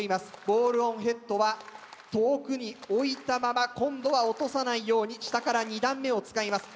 ボールオンヘッドは遠くに置いたまま今度は落とさないように下から２段目をつかみます。